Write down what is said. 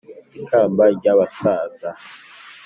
Ikamba ry’abasaza